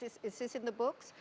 apakah ini di buku